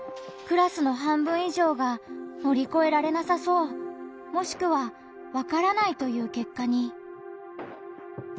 クラスの半分以上が「乗り越えられなさそう」もしくは「わからない」という結果に。